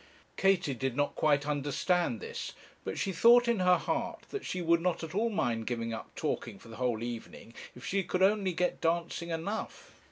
"' Katie did not quite understand this, but she thought in her heart that she would not at all mind giving up talking for the whole evening if she could only get dancing enough.